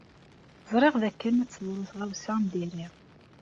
Ẓriɣ dakken ad teḍru tɣawsa n diri.